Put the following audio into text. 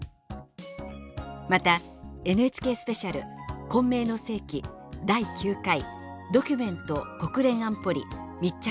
またＮＨＫスペシャル混迷の世紀第９回「ドキュメント国連安保理密着